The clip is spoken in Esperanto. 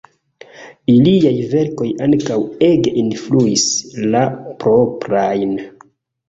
Iliaj verkoj ankaŭ ege influis la proprajn.